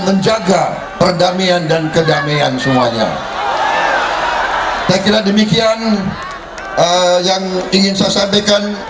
menjaga perdamaian dan kedamaian semuanya saya kira demikian yang ingin saya sampaikan